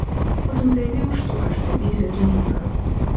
Потым заявіў, што хачу купіць гэтую гітару.